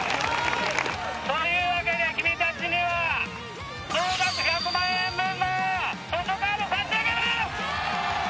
というわけで君たちには総額１００万円分の図書カード差し上げます！